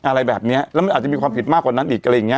อะไรแบบเนี้ยแล้วมันอาจจะมีความผิดมากกว่านั้นอีกอะไรอย่างเงี้